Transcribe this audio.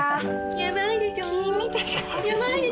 ヤバいでちょ？